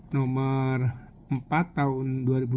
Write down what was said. nomor empat tahun dua ribu dua puluh